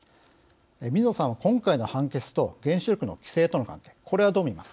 水野さんは、今回の判決と原子力の規制との関係はい。